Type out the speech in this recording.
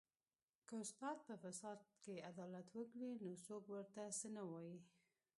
که استاد په فساد کې عدالت وکړي نو څوک ورته څه نه وايي